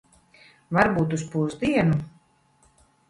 Varbūt uz pusdienu.